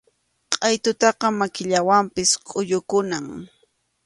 Qʼaytutaqa makillawanpas kʼuyukunam.